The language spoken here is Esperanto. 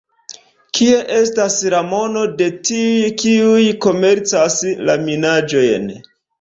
Kie estas la mono de tiuj kiuj komercas la minaĵojn?